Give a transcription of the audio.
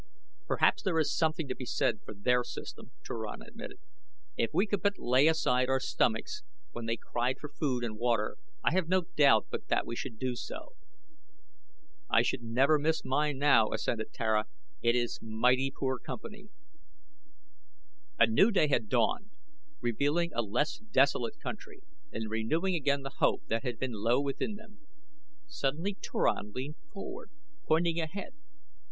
"Perhaps there is something to be said for their system," Turan admitted. "If we could but lay aside our stomachs when they cried for food and water I have no doubt but that we should do so." "I should never miss mine now," assented Tara; "it is mighty poor company." A new day had dawned, revealing a less desolate country and renewing again the hope that had been low within them. Suddenly Turan leaned forward, pointing ahead.